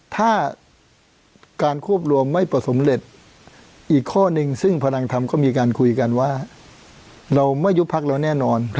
ถ้าการควบรวมไม่ประสบสำเร็จอีกข้อหนึ่งซึ่งพลังธรรมก็มีการคุยกันว่าเราไม่ยุบพักแล้วแน่นอน